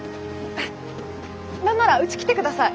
なんならうち来てください。